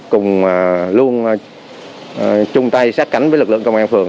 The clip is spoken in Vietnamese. cùng luôn chung tay sát cánh với lực lượng công an phường